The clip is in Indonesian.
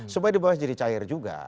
supaya di bawah jadi cair juga